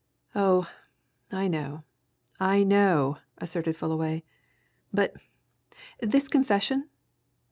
"Oh, I know I know!" asserted Fullaway. "But this confession?"